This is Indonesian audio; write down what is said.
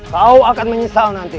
kau akan menyesal nanti